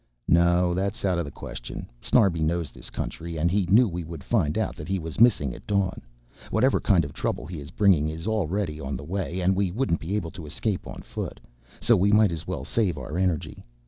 "No, that's out of the question. Snarbi knows this country and he knew we would find out that he was missing at dawn. Whatever kind of trouble he is bringing is already on the way and we wouldn't be able to escape on foot. So we might as well save our energy.